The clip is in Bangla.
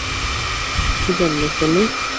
কী জন্য শুনি?